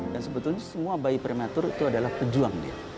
dan sebetulnya semua bayi prematur itu adalah pejuang dia